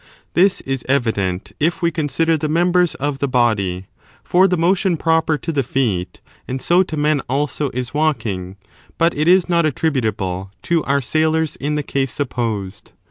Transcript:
This is evident if we consider the members of the body: for the motion proper to the feet and so to men also is walking, but it is not attributable to our sailors in the case supposed.